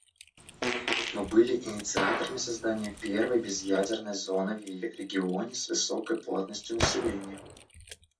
Мы были инициаторами создания первой безъядерной зоны в регионе с высокой плотностью населения.